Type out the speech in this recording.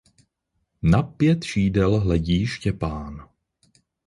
Na pět šídel hledí Štěpán.